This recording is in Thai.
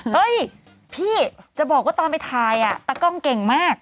เฮ้ยพี่จะบอกว่าตอนไปถ่ายตากล้องเก่งมาก